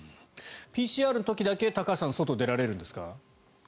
ＰＣＲの時だけ、高橋さん外に出られるんですか？